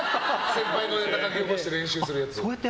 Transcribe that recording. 先輩のネタを書き起こして練習するやつ。